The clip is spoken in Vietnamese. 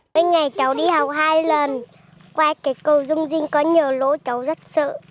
bênh này cháu đi học hai lần qua cây cầu rung rinh có nhiều lỗ cháu rất sợ